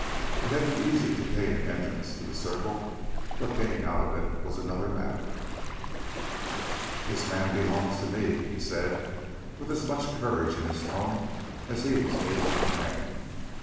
It had been easy to gain an entrance to the circle, but getting out of it was another matter. "This man belongs to me," he said with as much courage in his tone as he was able to command.